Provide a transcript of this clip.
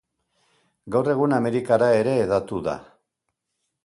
Gaur egun, Amerikara ere hedatu da.